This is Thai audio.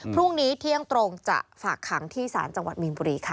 พรุ่งนี้เที่ยงตรงจะฝากขังที่ศาลจังหวัดมีนบุรีค่ะ